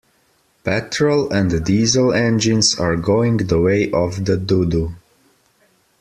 Petrol and Diesel engines are going the way of the dodo.